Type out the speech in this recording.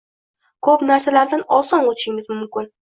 koʻp narsalardan oson oʻtishingiz mumkin.